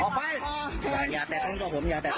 ยังไม่ฆ่าตัวพอล์นในตาที่นี่